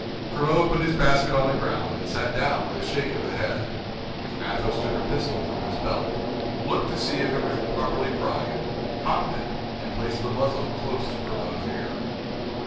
Grimaud put his basket on the ground and sat down with a shake of the head. Athos took a pistol from his belt, looked to see if it was properly primed, cocked it, and placed the muzzle close to Grimaud's ear.